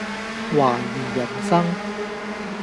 懷疑人生